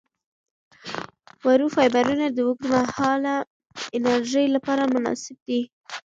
ورو فایبرونه د اوږدمهاله انرژۍ لپاره مناسب دي.